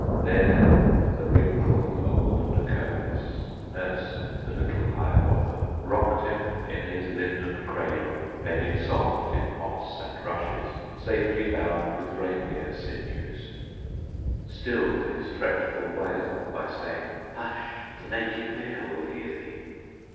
There the wrinkled old Nokomis Nursed the little Hiawatha, Rocked him in his linden cradle, Bedded soft in moss and rushes, Safely bound with reindeer sinews; Stilled his fretful wail by saying, "Hush! the Naked Bear will hear thee!"